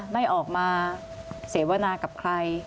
ไม่ออกมาเสวนากับใคร